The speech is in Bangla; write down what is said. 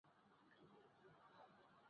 আমরা বলি, এই সমাধি বা জ্ঞানাতীত অবস্থাই ধর্ম।